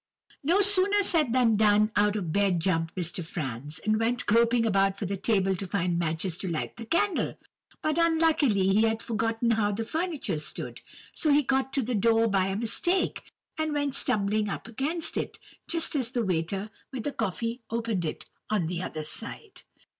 "No sooner said than done. Out of bed jumped Mr. Franz, and went groping about for the table to find matches to light the candle. But, unluckily, he had forgotten how the furniture stood, so he got to the door by a mistake, and went stumbling up against it, just as the waiter with the coffee opened it on the other side.